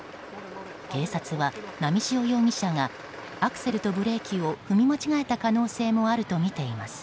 警察は波汐容疑者がアクセルとブレーキを踏み間違えた可能性もあるとみています。